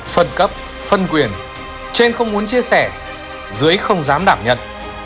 phân cấp phân quyền trên không muốn chia sẻ dưới không dám đảm nhận